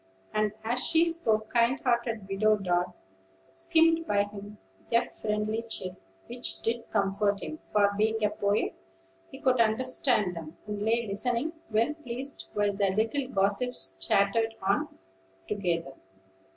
And, as she spoke, kind hearted Widow Dart skimmed by him with a friendly chirp, which did comfort him; for, being a poet, he could understand them, and lay listening, well pleased while the little gossips chattered on together.